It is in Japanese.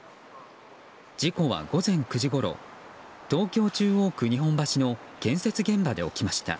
事故は午前９時ごろ東京・中央区日本橋の建設現場で起きました。